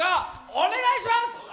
お願いします。